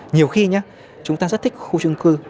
nhiều khi nhé chúng ta rất thích khu trung cư